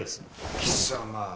貴様！